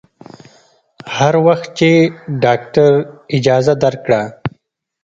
هر وخت چې ډاکتر اجازه درکړه.